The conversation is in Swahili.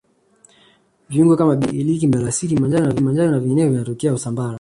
viungo kama binzari iliki mdalasini manjano na vinginevyo vinatokea usambara